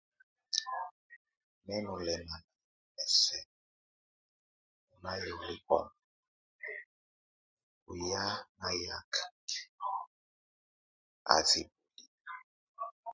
Mɛ nólɛmana mɛ sɛk ɔ ná yɔlɛ bɔŋ oyá nayak, a síbue li.